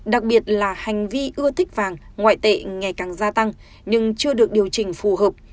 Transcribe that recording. đặc biệt là hành vi ưa thích vàng ngoại tệ ngày càng gia tăng nhưng chưa được điều chỉnh phù hợp